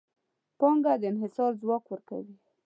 پانګه د انحصار ځواک ورکوي.